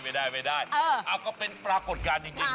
ไม่ได้ไม่ได้ก็เป็นปรากฏการณ์จริง